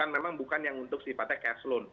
memang bukan yang untuk sifatnya cash loan